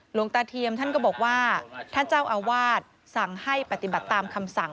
หลวงตาเทียมท่านก็บอกว่าท่านเจ้าอาวาสสั่งให้ปฏิบัติตามคำสั่ง